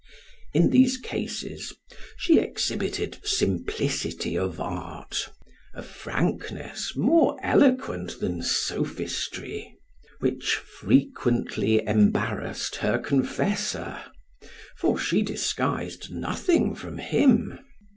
In these cases she exhibited simplicity of art, a frankness more eloquent than sophistry, which frequently embarrassed her confessor; for she disguised nothing from him.